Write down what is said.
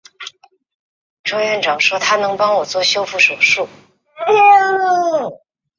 卢德维格斯塔特是德国巴伐利亚州的一个市镇。